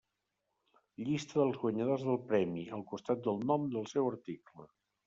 Llista dels guanyadors del premi, al costat del nom del seu article.